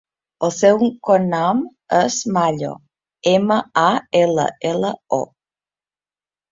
El seu cognom és Mallo: ema, a, ela, ela, o.